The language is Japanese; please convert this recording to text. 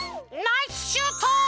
ナイスシュート！